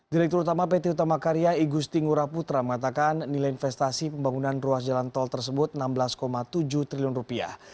direktur utama pt utama karya igusti ngurah putra mengatakan nilai investasi pembangunan ruas jalan tol tersebut enam belas tujuh triliun rupiah